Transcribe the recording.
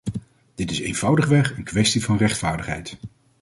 Dit is eenvoudigweg een kwestie van rechtvaardigheid.